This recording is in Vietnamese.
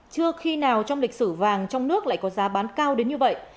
chưa khi nào trong lịch sử vàng trong nước lại có giá bán cao đến như vậy